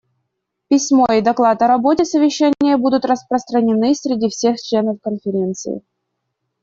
Письмо и доклад о работе совещания будут распространены среди всех членов Конференции.